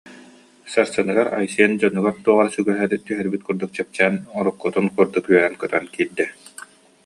Сарсыныгар Айсен дьонугар туох эрэ сүгэһэри түһэрбит курдук чэпчээн, уруккутун курдук үөрэн-көтөн киирдэ